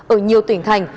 ở nhiều tỉnh thành